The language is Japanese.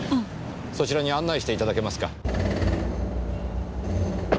そちらに案内していただけますか。